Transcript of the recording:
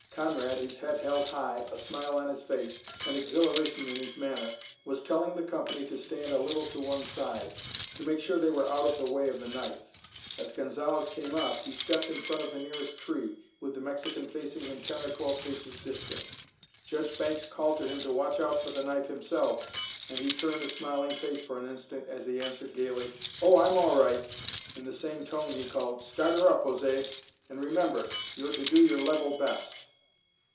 Conrad, his head held high, a smile on his face and exhilaration in his manner, was telling the company to stand a little to one side, to make sure they were out of the way of the knife. As Gonzalez came up, he stepped in front of the nearest tree, with the Mexican facing him ten or twelve paces distant. Judge Banks called to him to watch out for the knife himself, and he turned a smiling face for an instant as he answered gayly, "Oh, I'm all right!" In the same tone he called, "Start her up, José! And remember, you're to do your level best."